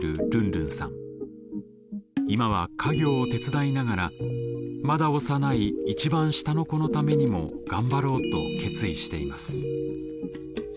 今は家業を手伝いながらまだ幼い一番下の子のためにも頑張ろうと決意しています。